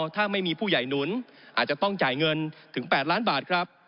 ถ้าไม่มีผู้ใหญ่หนุนอาจจะต้องจ่ายเงินถึง๘ล้านบาทครับ